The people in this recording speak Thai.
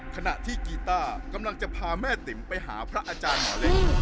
ขณะที่กีต้ากำลังจะพาแม่ติ๋มไปหาพระอาจารย์หมอเล็ก